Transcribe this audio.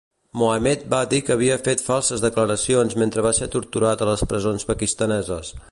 Mohamed va dir que havia fet falses declaracions mentre va ser torturat a les presons pakistaneses.